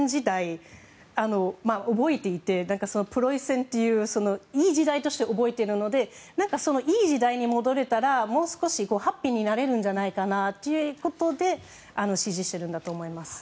東ドイツの方々がプロイセンといういい時代を覚えているのでいい時代に戻れたらもう少しハッピーになれるんじゃないかということで支持しているんだと思います。